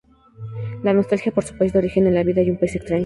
La nostalgia por su país de origen y la vida en un país extraño.